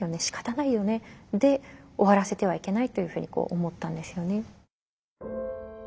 しかたないよね」で終わらせてはいけないというふうに思ったんですよね。